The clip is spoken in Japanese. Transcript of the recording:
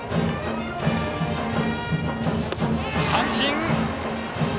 三振！